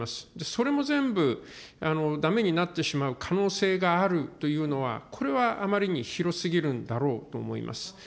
それも全部だめになってしまう可能性があるというのは、これはあまりに広すぎるんだろうと思います。